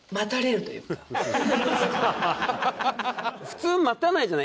普通待たないじゃない。